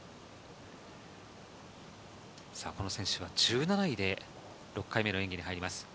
この選手は１７位で６回目の演技に入ります。